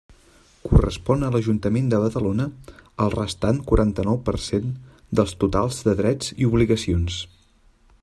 Correspon a l'Ajuntament de Badalona el restant quaranta-nou per cent dels totals de drets i obligacions.